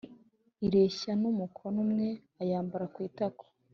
ireshya n umukono umwe ayambara ku itako